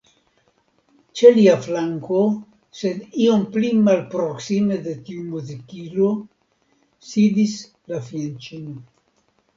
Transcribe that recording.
Ĉe lia flanko, sed iom pli malproksime de tiu muzikilo, sidis la fianĉino.